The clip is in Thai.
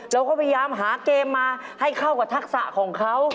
เราก็พยายามหาเกมมาให้เข้ากับทักษะของเขา